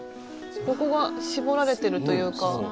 ここが絞られてるというか。